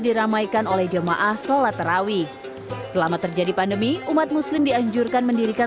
diramaikan oleh jemaah sholat terawih selama terjadi pandemi umat muslim dianjurkan mendirikan